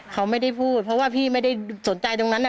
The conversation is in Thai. เขาไม่ได้พูดเพราะว่าพี่ไม่ได้สนใจตรงนั้นน่ะ